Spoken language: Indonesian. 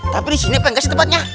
tapi disini pengen gak sih tempatnya